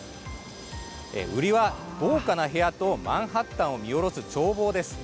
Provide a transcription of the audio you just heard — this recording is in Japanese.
売りは、豪華な部屋とマンハッタンを見下ろす眺望です。